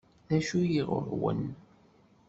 D acu-yi ɣur-wen?